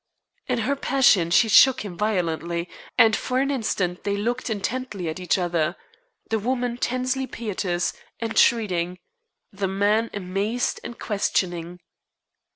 In her passion she shook him violently, and for an instant they looked intently at each other the woman tensely piteous, entreating; the man amazed and questioning.